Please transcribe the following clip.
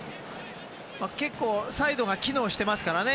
結構、サイドが機能していますからね